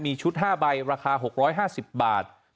มีชุด๕ใบราคา๖๕๐บาท